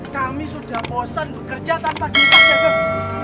kami sudah bosan bekerja tanpa tindakan keagel